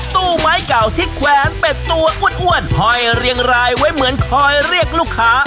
ตู้ไม้เก่าที่แขวนเป็ดตัวอ้วนห้อยเรียงรายไว้เหมือนคอยเรียกลูกค้า